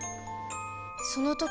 その時